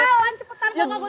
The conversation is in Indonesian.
jalan cepetan kakak gue turun